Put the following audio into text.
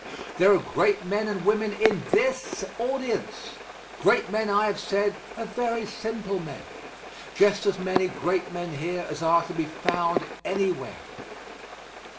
There are great men and women in this audience. Great men, I have said, are very simple men. Just as many great men here as are to be found anywhere.